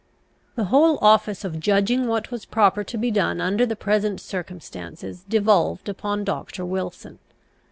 The whole office of judging what was proper to be done under the present circumstances devolved upon Doctor Wilson.